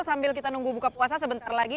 sambil kita nunggu buka puasa sebentar lagi